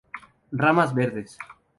Ramas verdes.